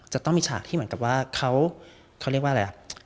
จะต้องมีฉากที่เหมือนกับว่าเขาเรียกว่าอะไรอ่ะ